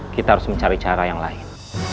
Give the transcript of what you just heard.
kita harus mencari cara yang lain